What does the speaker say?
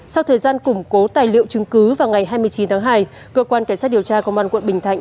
sau thời gian củng cố tài liệu chứng cứ vào ngày hai mươi chín tháng hai cơ quan cảnh sát điều tra công an quận bình thạnh